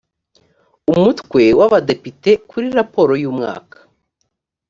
umutwe w’ abadepite kuri raporo y’ umwaka